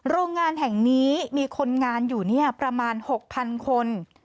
โรงงานแห่งนี้มีคนงานอยู่ประมาณ๖๐๐๐คน